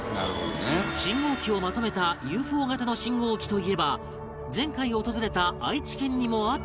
信号機をまとめた ＵＦＯ 型の信号機といえば前回訪れた愛知県にもあったのだが